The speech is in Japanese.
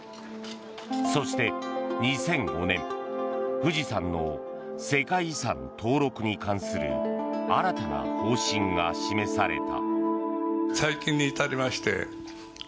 そして、２００５年富士山の世界遺産登録に関する新たな方針が示された。